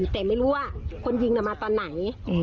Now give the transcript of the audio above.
แต่ไม่รู้ว่าคนยิงมาตอนไหน